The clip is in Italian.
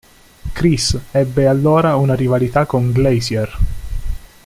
Chris ebbe allora una rivalità con Glacier.